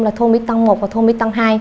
là thôn mỹ tân một và thôn mỹ tân hai